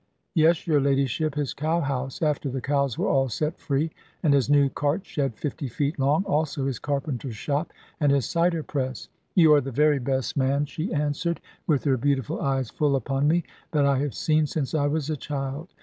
"Yes, your ladyship, his cow house, after the cows were all set free, and his new cart shed fifty feet long, also his carpenter's shop, and his cider press." "You are the very best man," she answered, with her beautiful eyes full upon me, "that I have seen, since I was a child.